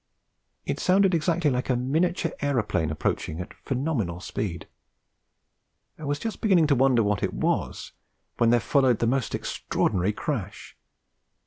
It sounded exactly like a miniature aeroplane approaching at phenomenal speed. I was just beginning to wonder what it was when there followed the most extraordinary crash.